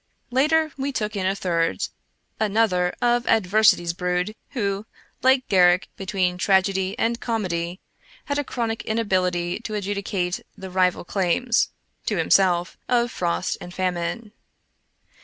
Later, we took in a third — another of Adversity's brood, who, like Garrick between Tragedy and Comedy, had a chronic inability to adjudicate the rival claims (to himself) of Frost and Famine.